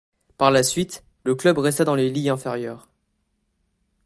Par la suite, le club resta dans les ligues inférieures.